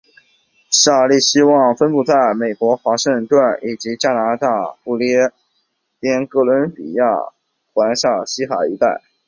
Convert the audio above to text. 萨利希语言分布在美国华盛顿州以及加拿大不列颠哥伦比亚环萨利希海一带。